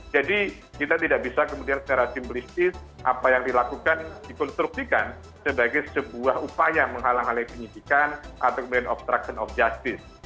jadi kita tidak bisa kemudian secara simplistis apa yang dilakukan dikonstruksikan sebagai sebuah upaya menghalang hal yang diinginkan atau kemudian obstruction of justice